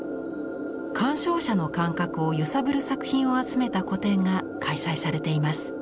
鑑賞者の感覚を揺さぶる作品を集めた個展が開催されています。